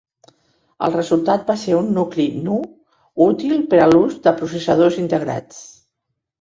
El resultat va ser un nucli "nu", útil per a l'ús de processadors integrats.